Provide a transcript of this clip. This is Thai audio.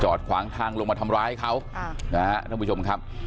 ขวางทางลงมาทำร้ายเขานะฮะท่านผู้ชมครับ